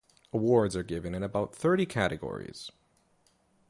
Awards are given in about thirty categories.